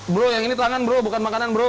bro yang ini tangan bro bukan makanan bro